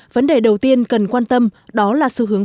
vấn đề đầu tiên cần quan tâm đó là xu hướng phát triển